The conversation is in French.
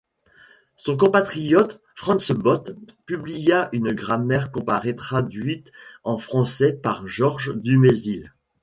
Son compatriote, Franz Bopp publia une grammaire comparée traduite en français par Georges Dumézil.